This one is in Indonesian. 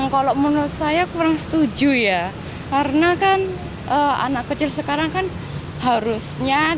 kalau menurut saya kurang setuju ya karena kan anak kecil sekarang kan harusnya